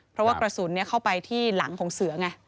เพราะว่ากระสุนเข้าไปที่หลังของเสือไง